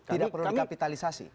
tidak perlu dikapitalisasi